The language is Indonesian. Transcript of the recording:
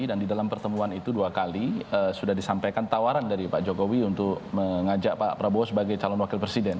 dan di dalam pertemuan itu dua kali sudah disampaikan tawaran dari pak jokowi untuk mengajak pak prabowo sebagai calon wakil presiden